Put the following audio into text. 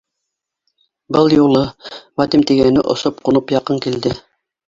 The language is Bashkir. Был юлы Вадим тигәне осоп-ҡунып яҡын килде: